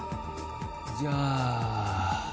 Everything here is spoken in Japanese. じゃあ。